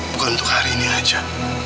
bukan untuk hari ini aja